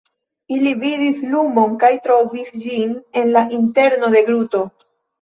Ili vidis lumon kaj trovis ĝin en la interno de groto.